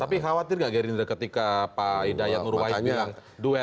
tapi khawatir gak gerindra ketika pak hidayat nurwahid bilang duet anis dengan aher